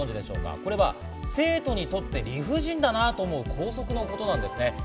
これは生徒にとって理不尽だなと思う、校則のことなんです。